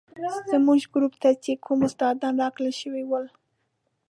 زموږ ګروپ ته چې کوم استادان راکړل شوي ول.